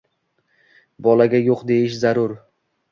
bolaga “yo‘q” deyish zarur.